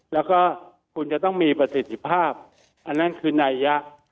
แล้วก็คุณจะต้องมีประสิทธิภาพอันนั้นคือนัยยะ